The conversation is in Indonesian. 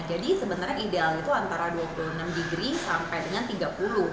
jadi sebenarnya ideal itu antara dua puluh enam degree sampai dengan tiga puluh